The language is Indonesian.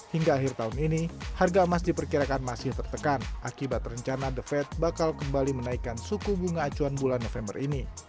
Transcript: hingga akhir tahun ini harga emas diperkirakan masih tertekan akibat rencana the fed bakal kembali menaikkan suku bunga acuan bulan november ini